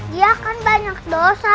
dia kan banyak dosa